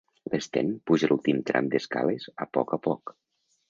L'Sten puja l'últim tram d'escales a poc a poc.